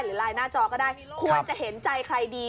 ไลน์หน้าจอก็ได้ควรจะเห็นใจใครดี